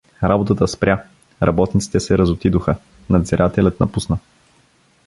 Работата спря, работниците се разотидоха, надзирателят напусна.